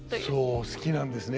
そう好きなんですね